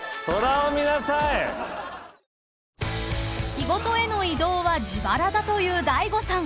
［仕事への移動は自腹だという大悟さん］